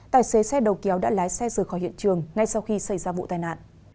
tài xế xe đầu kéo đã lái xe rời khỏi hiện trường ngay sau khi xảy ra vụ tai nạn